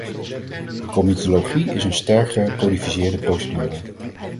De comitologie is een sterk gecodificeerde procedure.